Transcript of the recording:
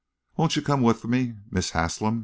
"Won't you come with me, Miss Haslem?"